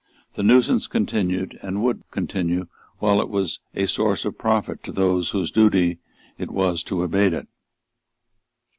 The nuisance continued, and would continue while it was a source of profit to those whose duty was to abate it.